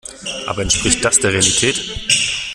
Aber entspricht das der Realität?